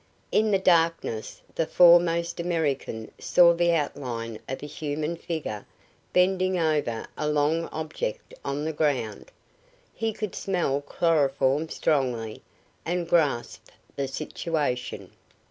In the darkness the foremost American saw the outline of a human figure bending over a long object on the ground. He could smell chloroform strongly, and grasped the situation.